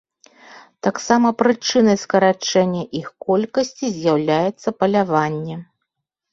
Таксама прычынай скарачэння іх колькасці з'яўляецца паляванне.